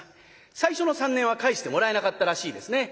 最初の３年は帰してもらえなかったらしいですね。